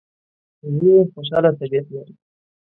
وزې خوشاله طبیعت لري